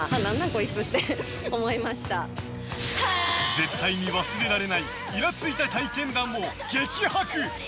絶対に忘れられないイラついた体験談を激白！